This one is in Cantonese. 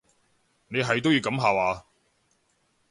你係都要噉下話？